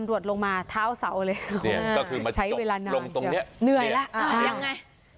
อำรวจลงมาเท้าเสาเลยนี่ก็คือมาจบลงตรงเนี้ยเหนื่อยล่ะอ่า